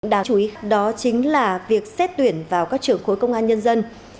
đáng chú ý đó chính là việc xét tuyển vào các trường khối công an nhân dân